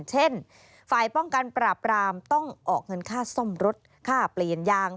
เช่นฝ่ายป้องกันปราบรามต้องออกเงินค่าซ่อมรถค่าเปลี่ยนยาง